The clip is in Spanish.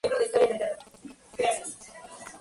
Godofredo de Monmouth escribió varios libros.